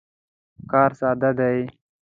کار ساده دی.